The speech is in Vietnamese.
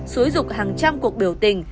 xúi dục hàng trăm cuộc biểu tình